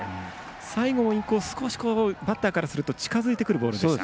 最後のインコースバッターからすると近づいてくるボールでした。